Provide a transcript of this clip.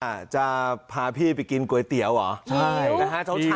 อ่าจะพาพี่ไปกินก๋วยเตี๋ยวหรอใช่นะฮะ